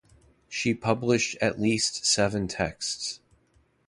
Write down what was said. She published at least seven texts.